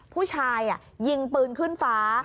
ผู้ชายยิงปืนขึ้นฟ้า